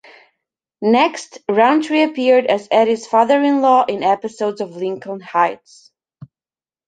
Next, Roundtree appeared as Eddie's father-in-law in episodes of "Lincoln Heights".